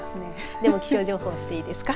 でも気象情報していいですか。